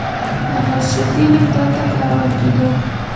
د خروشتي لیک دلته کارول کیده